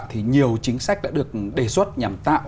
thì nhiều chính sách đã được đề xuất nhằm tăng trưởng